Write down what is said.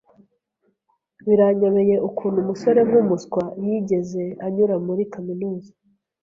Biranyobeye ukuntu umusore nkumuswa yigeze anyura muri kaminuza.